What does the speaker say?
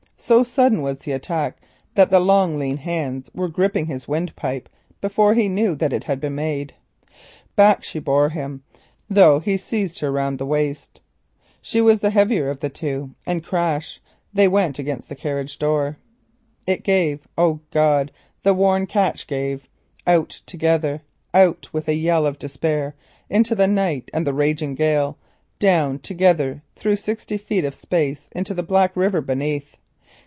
So sudden was the attack that the long lean hands were gripping his windpipe before he knew it had been made. Back she bore him, though he seized her round the waist. She was the heavier of the two, and back they went, crash against the carriage door. It gave! Oh, God, the worn catch gave! Out together, out with a yell of despair into the night and the raging gale; down together through sixty feet of space into the black river beneath.